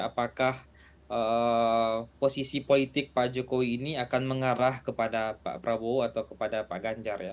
apakah posisi politik pak jokowi ini akan mengarah kepada pak prabowo atau kepada pak ganjar ya